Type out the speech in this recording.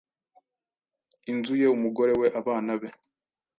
inzu ye, umugore we, abana be.